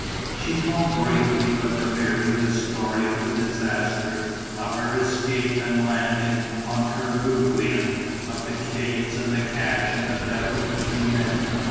She told briefly but clearly the story of the disaster, of her escape and landing on Kerguelen, of the caves and the cache and the death of the two men.